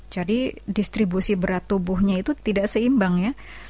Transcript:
jadi distribusi berat tubuhnya itu tidak seimbang ya